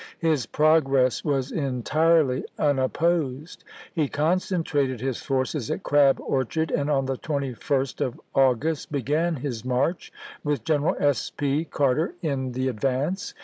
His progress was entirely unopposed. He concentrated his forces at Crab Orchard, and on the 21st of August began his march, Avith General S. P. Carter in the advance.